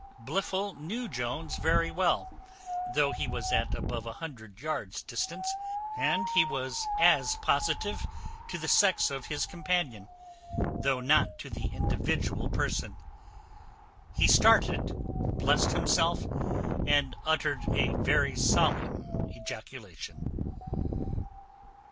Blifil knew Jones very well, though he was at above a hundred yards' distance, and he was as positive to the sex of his companion, though not to the individual person. He started, blessed himself, and uttered a very solemn ejaculation.